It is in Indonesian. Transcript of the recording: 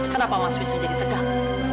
kenapa mas wisnu jadi tegang